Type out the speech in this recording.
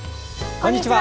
こんにちは。